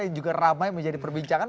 yang juga ramai menjadi perbincangan